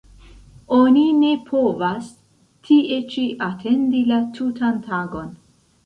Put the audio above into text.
Oni ne povas tie ĉi atendi la tutan tagon.